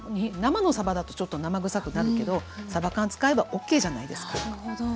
生のさばだとちょっと生臭くなるけどさば缶使えばＯＫじゃないですか。